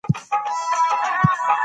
نوي تجربې مه ردوه.